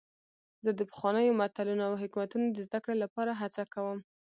زه د پخوانیو متلونو او حکمتونو د زدهکړې لپاره هڅه کوم.